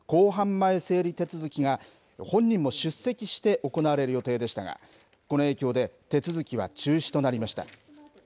前整理手続きが、本人も出席して行われる予定でしたが、この影響で手続きは中止となりました。